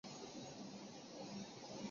寡妇榧螺为榧螺科榧螺属下的一个种。